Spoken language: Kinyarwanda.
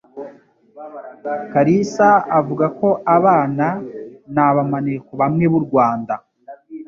Kalisa avuga ko abana nabamaneko bamwe b'u Rwanda